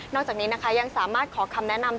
จากนี้นะคะยังสามารถขอคำแนะนำ